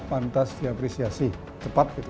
pantas diafresiasi cepat gitu